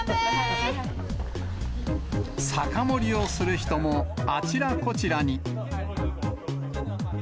酒盛りをする人も、あちらこちらに。